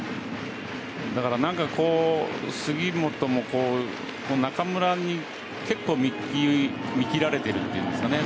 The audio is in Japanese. だから何か杉本も中村に結構見切られてるというんですかね。